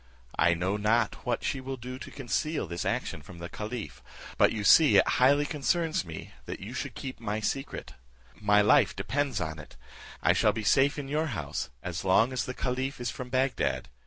I know not what she will do to conceal this action from the caliph, but you see it highly concerns me that you should keep my secret. My life depends on it. I shall be safe in your house as long as the caliph is from Bagdad.